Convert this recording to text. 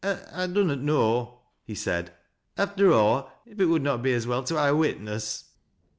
" I dunnot know," he said, " after aw, if it would not be as well to ha' a witness.